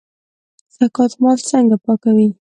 زکات مال څنګه پاکوي؟